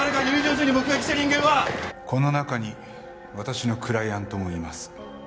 この中に私のクライアントもいます。